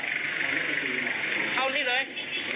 แล้วท้ายที่สุดก็ชักเกรงหมดสติอยู่